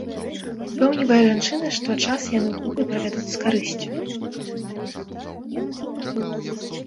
Упэўнівае жанчына, што час яны ў клубе правядуць з карысцю.